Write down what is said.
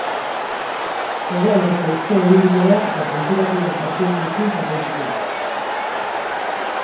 Hegoaldeko haizea ibiliko eta tenperatura atseginekin jarraituko dugu.